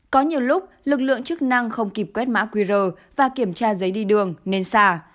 có nhiều lúc lực lượng chức năng không kịp quét mã qr và kiểm tra giấy đi đường nên xả